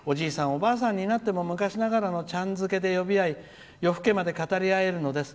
おばあさんになっても昔ながらのちゃん付けで呼び合い夜更けまで語り合えるのです。